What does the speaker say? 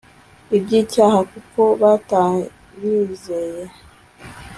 Iby icyaha kuko batanyizeye